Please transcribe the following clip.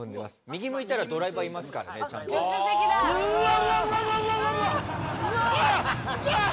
右向いたらドライバーいますからねあーっ